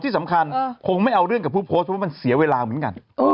ที่สำคัญคงไม่เอาเรื่องกับผู้โพสต์เพราะมันเสียเวลาเหมือนกัน